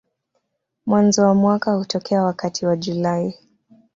Mwanzo wa mwaka hutokea wakati wa Julai.